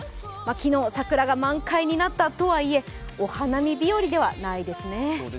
昨日、桜が満開になったとはいえお花見日和ではないですね。